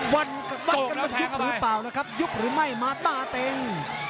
วันกันมันยุบหรือเปล่านะครับยุบหรือไม่มาต้าเต็ง